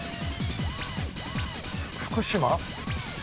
福島？